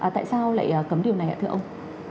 tại sao lại cấm điều này ạ thưa ông